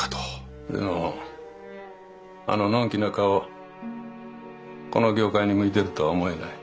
でもあののんきな顔この業界に向いているとは思えない。